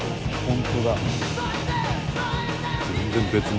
「本当だ」